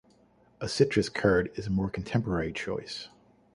A citrus curd is a more contemporary choice.